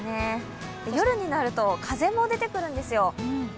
夜になると風も出てくるんですよ。